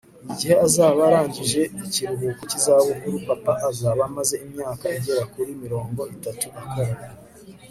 igihe azaba arangije ikiruhuko cy'izabukuru, papa azaba amaze imyaka igera kuri mirongo itatu akora